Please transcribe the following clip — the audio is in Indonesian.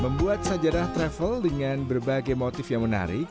membuat sajadah travel dengan berbagai motif yang menarik